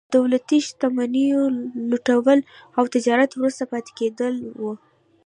د دولتي شتمنیو لوټول او د تجارت وروسته پاتې کېدل وو.